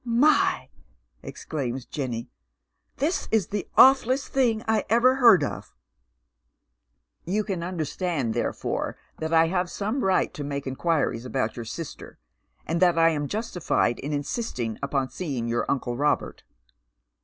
" My I " exclaims Jenny. " This is the awfuUest thing I ever heard of." " You can understand therefore that I have some right to maka 148 Dead Men's Sloe9, inquiries about your sister, and that I am jnetifled in insisting upon seeing your uncle Robert."